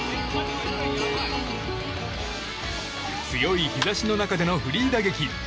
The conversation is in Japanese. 強い日差しの中でのフリー打撃。